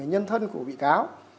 nhân thân của bị cáo